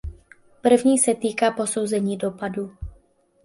První se týká posouzení dopadu.